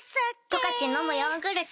「十勝のむヨーグルト」